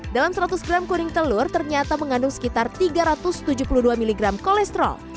dalam seratus gram kuning telur ternyata mengandung sekitar tiga ratus tujuh puluh dua miligram kolesterol